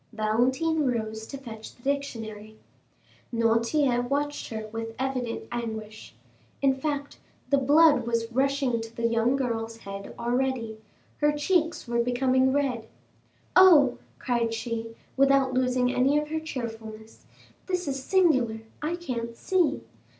Valentine rose to fetch the dictionary. Noirtier watched her with evident anguish. In fact, the blood was rushing to the young girl's head already, her cheeks were becoming red. "Oh," cried she, without losing any of her cheerfulness, "this is singular! I can't see!